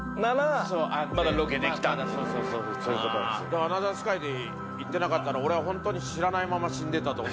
だから『アナザースカイ』で行ってなかったら俺はホントに知らないまま死んでたと思うんで。